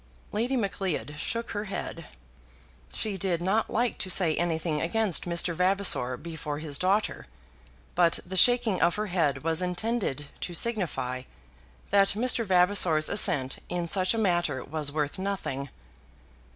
Lady Macleod shook her head. She did not like to say anything against Mr. Vavasor before his daughter; but the shaking of her head was intended to signify that Mr. Vavasor's assent in such a matter was worth nothing.